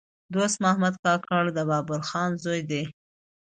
دوست محمد کاکړ د بابړخان زوی دﺉ.